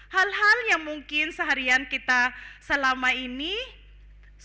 hal hal yang mungkin seharian kita selama ini